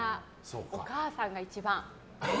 お母さんが一番。